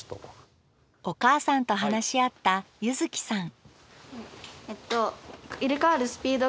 お母さんと話し合った柚季さん